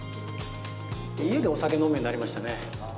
家でお酒飲むようになりましたね。